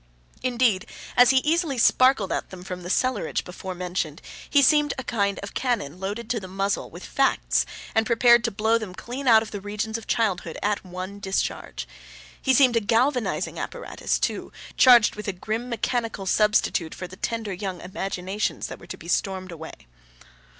Indeed, as he eagerly sparkled at them from the cellarage before mentioned, he seemed a kind of cannon loaded to the muzzle with facts, and prepared to blow them clean out of the regions of childhood at one discharge. He seemed a galvanizing apparatus, too, charged with a grim mechanical substitute for the tender young imaginations that were to be stormed away.